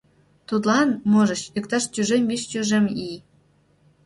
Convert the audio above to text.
Тудлан, можыч, иктаж тӱжем — вич тӱжем ий.